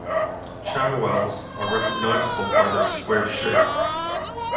Cham wells are recognisable by their square shape.